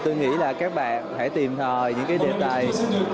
tôi nghĩ là các bạn hãy tìm thòi những đề tài